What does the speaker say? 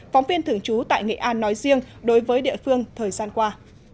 phóng viên thường trú tại nghệ an nói riêng đối với địa phương thời gian qua